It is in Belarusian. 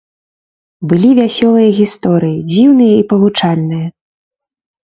Былі вясёлыя гісторыі, дзіўныя і павучальныя.